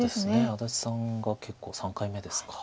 安達さんが３回目ですか。